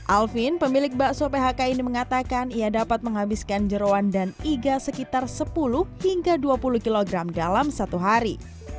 alvin pemilik bakso phk ini mengatakan ia dapat menghabiskan jerawan dan iga sekitar sepuluh hingga dua puluh kg dalam satu hari